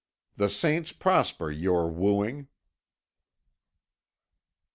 The saints prosper your wooing."